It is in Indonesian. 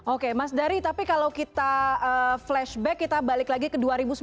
oke mas dari tapi kalau kita flashback kita balik lagi ke dua ribu sembilan belas